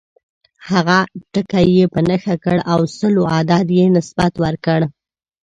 هغه ټکی یې په نښه کړ او سلو عدد یې نسبت ورکړ.